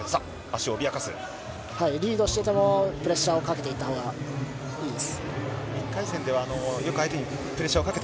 リードしていてもプレッシャーはもっとかけていったほうがいいです。